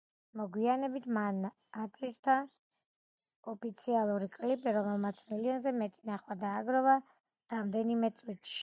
მოგვიანებით მან ატვირთა ოფიციალური კლიპი, რომელმაც მილიონზე მეტი ნახვა დააგროვა რამდენიმე წუთში.